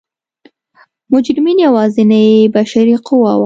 مجرمین یوازینۍ بشري قوه وه.